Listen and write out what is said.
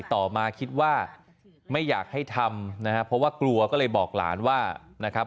ต่อมาคิดว่าไม่อยากให้ทำนะครับเพราะว่ากลัวก็เลยบอกหลานว่านะครับ